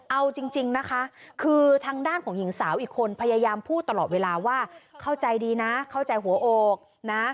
เอาจริงนะคะคือทางด้านของหญิงสาวอีกคนพยายามพูดตลอดเวลาว่าเข้าใจดีนะเข้าใจหัวอกนะ